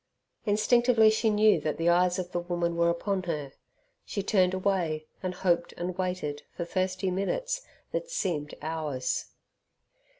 Instinctively she knew that the eyes of the woman were upon her. She turned away, and hoped and waited for thirsty minutes that seemed hours.